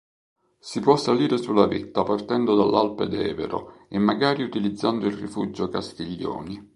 Si può salire sulla vetta partendo dall'Alpe Devero e magari utilizzando il Rifugio Castiglioni.